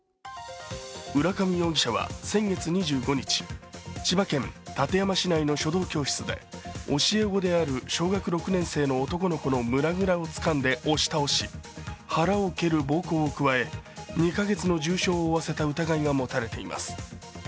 浦上容疑者は先月２５日、千葉県館山市内の書道教室で教え子である小学６年生の男の子の胸ぐらをつかんで押し倒し腹を蹴る暴行を加え２カ月の重傷を負わせた疑いが持たれています。